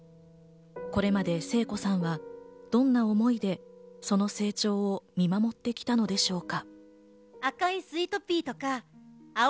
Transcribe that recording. これまで聖子さんはどんな思いでその成長を見守ってきたのでしょうか。